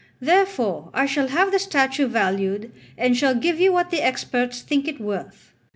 Therefore I shall have the statue valued, and shall give you what the experts think it worth."